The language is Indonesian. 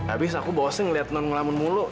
abis aku bosen ngeliat temen ngelamun mulu